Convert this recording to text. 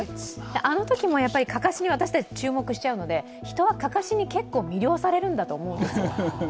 あのときもかかしに私たち注目しちゃうので、人はかかしに結構、魅了されるんだと思うんです